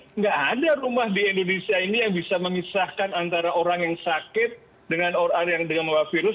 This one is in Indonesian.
tidak ada rumah di indonesia ini yang bisa memisahkan antara orang yang sakit dengan orang orang yang dengan membawa virus